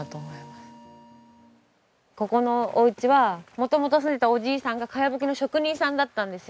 ここのお家は元々住んでたおじいさんが茅葺きの職人さんだったんですよ。